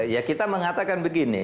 ya kita mengatakan begini